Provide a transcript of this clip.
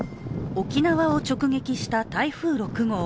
沖縄県を直撃した台風６号。